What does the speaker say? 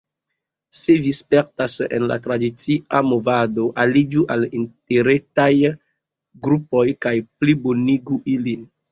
Se vi spertas en la tradicia movado, aliĝu al interretaj grupoj kaj plibonigu ilin.